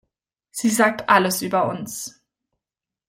Sie sagt alles über uns.